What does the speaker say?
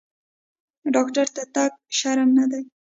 ډاکټر ته تګ شرم نه دی۔